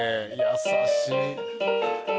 優しい。